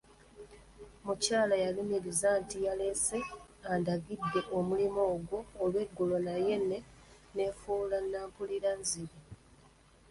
Mukyala yalumiriza nti yalese andagidde omulimu ogwo olweggulo naye ne neefuula nnampulirazzibi.